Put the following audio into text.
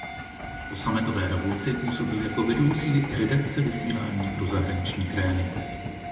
Po Sametové revoluci působil jako vedoucí Redakce vysílání pro zahraniční krajany.